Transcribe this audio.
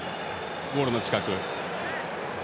ゴールの近く。